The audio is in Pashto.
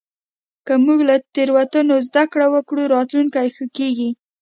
که موږ له تېروتنو زدهکړه وکړو، راتلونکی ښه کېږي.